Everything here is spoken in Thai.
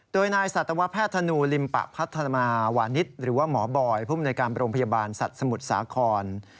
โดยนายสัตวแพทย์ธนูลิมปะพัฒนาวานิสหรือว่าหมอบอยภูมิในการโรงพยาบาลสัตว์สมุทรสาคร